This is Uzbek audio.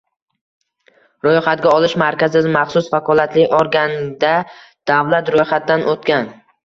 Ro‘yxatga olish markazi maxsus vakolatli organda davlat ro‘yxatidan o‘tgan